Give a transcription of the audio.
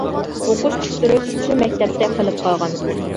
ئۇقۇش پۈتتۈرۈپ شۇ مەكتەپتە قېلىپ قالغان.